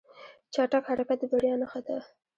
چټک حرکت د بریا نښه ده.